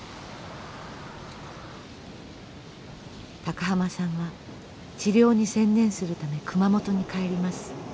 高浜さんは治療に専念するため熊本に帰ります。